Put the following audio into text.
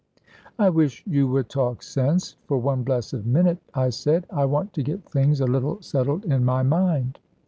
"I wish you would talk sense for one blessed minute," I said; "I want to get things a little settled in my mind."